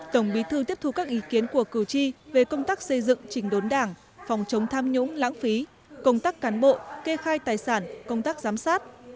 tổng bí thư tiếp thu các ý kiến của cử tri về công tác xây dựng trình đốn đảng phòng chống tham nhũng lãng phí công tác cán bộ kê khai tài sản công tác giám sát